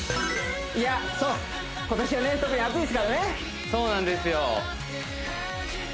いやそう今年はね特に暑いですからねそうなんですよ